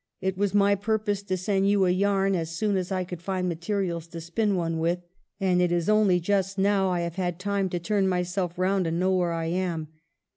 It was ly purpose to send you a yarn as soon as I :ould find materials to spin one with. And it is only just now I have had time to turn myself round and know where I am.